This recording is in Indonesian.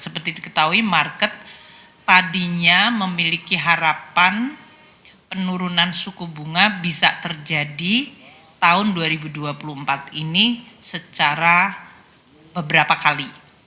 seperti diketahui market tadinya memiliki harapan penurunan suku bunga bisa terjadi tahun dua ribu dua puluh empat ini secara beberapa kali